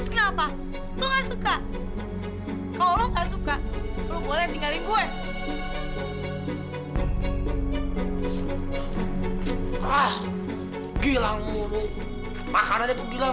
kenapa lo nggak suka kalau nggak suka lo boleh tinggalin gue ah gilang makannya tuh bilang